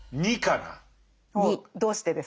２。どうしてですか？